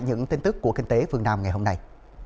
những tin tức của kinh tế phương nam ngày hôm nay